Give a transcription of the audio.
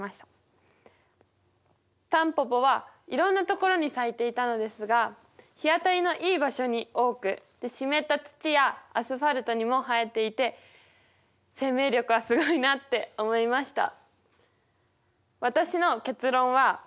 タンポポはいろんなところに咲いていたのですが日当たりのいい場所に多く湿った土やアスファルトにも生えていて生命力はすごいなって思いました。